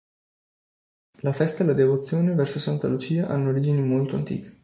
La festa e la devozione verso Santa Lucia hanno origini molto antiche.